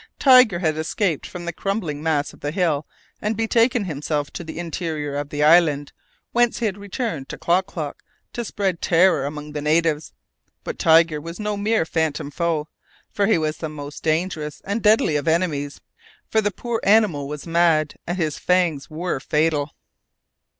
Tiger had escaped from the crumbling mass of the hill and betaken himself to the interior of the island, whence he had returned to Klock Klock, to spread terror among the natives. But Tiger was no mere phantom foe; he was the most dangerous and deadly of enemies, for the poor animal was mad, and his fangs were fatal!